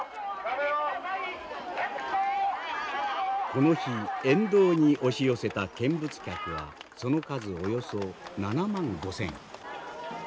この日沿道に押し寄せた見物客はその数およそ７万５，０００。